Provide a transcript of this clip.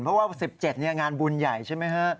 เพราะว่า๑๗เนี่ยงานบุญใหญ่ใช่ไหมครับ